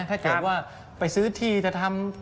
ถ้าเกิดว่าไปซื้อที่จะทำ